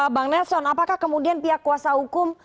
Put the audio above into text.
bang nelson apakah kemudian pihak kuasa hukum